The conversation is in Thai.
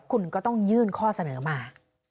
คุณก็ต้องยื่นข้อเสนอมา